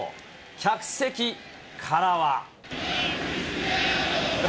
客席からは。